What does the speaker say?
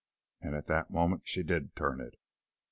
And at that moment she did turn it.